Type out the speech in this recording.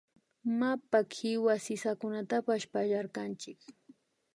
Mapa kiwa sisakunatapash pallarkanchik